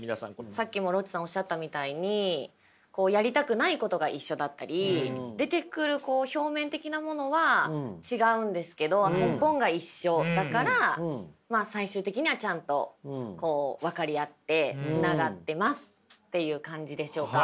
さっきもロッチさんおっしゃったみたいにやりたくないことが一緒だったり出てくる表面的なものは違うんですけど根本が一緒だからまあ最終的にはちゃんと分かり合ってつながってますっていう感じでしょうか？